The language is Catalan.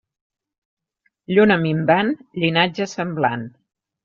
Lluna minvant, llinatge semblant.